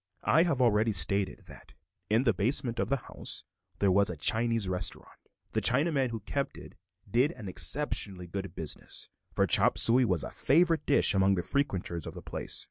I have already stated that in the basement of the house there was a Chinese restaurant. The Chinaman who kept it did an exceptionally good business; for chop suey was a favorite dish among the frequenters of the place.